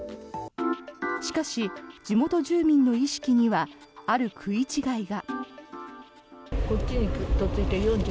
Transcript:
しかし、地元住民の意識にはある食い違いが。